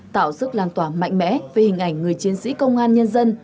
tạo sức lan tỏa mạnh mẽ về hình ảnh người chiến sĩ công an nhân dân